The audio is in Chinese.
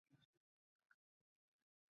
罗崇文退休后由李天柱接任其岗位。